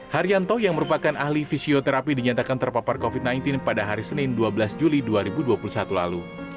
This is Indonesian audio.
haryanto yang merupakan ahli fisioterapi dinyatakan terpapar covid sembilan belas pada hari senin dua belas juli dua ribu dua puluh satu lalu